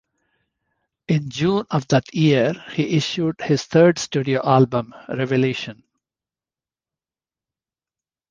In June of that year, he issued his third studio album, "Revelation".